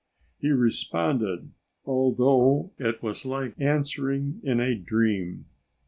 He responded, although it was like answering in a dream.